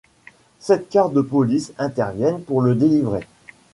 Sept cars de police interviennent pour le délivrer.